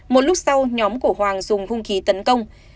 một lúc sau nhóm của hoàng dùng hung khí tấn công